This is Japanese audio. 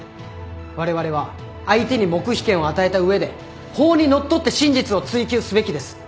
われわれは相手に黙秘権を与えた上で法にのっとって真実を追及すべきです。